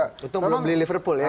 belum beli liverpool ya